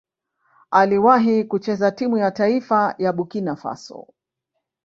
Aliwahi kucheza timu ya taifa ya Burkina Faso.